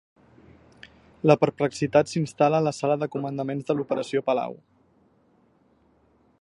La perplexitat s'instal·la a la sala de comandaments de l'Operació Palau.